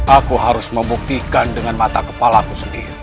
aku harus membuktikan dengan mata kepala ku sendiri